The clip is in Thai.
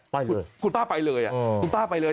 ไปคุณป้าไปเลยคุณป้าไปเลย